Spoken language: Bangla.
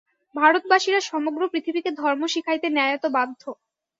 ভারতবাসীরা সমগ্র পৃথিবীকে ধর্ম শিখাইতে ন্যায়ত বাধ্য।